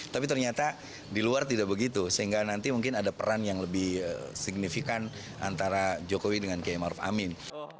tapi ternyata di luar tidak begitu sehingga nanti mungkin ada peran yang lebih signifikan antara jokowi dengan kiai maruf amin